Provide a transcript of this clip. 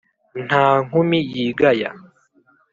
Nta nkumi yigaya.